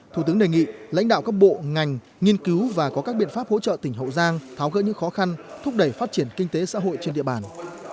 thủ tướng đề nghị lãnh đạo các bộ ngành nghiên cứu và có các biện pháp hỗ trợ tỉnh hậu giang tháo gỡ những khó khăn thúc đẩy phát triển kinh tế xã hội trên địa bàn